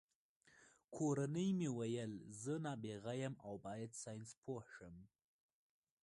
کورنۍ مې ویل زه نابغه یم او باید ساینسپوه شم